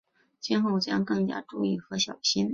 今后将更加注意和小心。